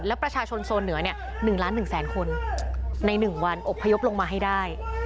แล้วประชาชนโซนเหนือเนี่ยหนึ่งล้านหนึ่งแสนคนในหนึ่งวันอบพยพลงมาให้ได้